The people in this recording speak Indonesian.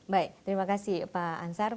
baik terima kasih pak ansar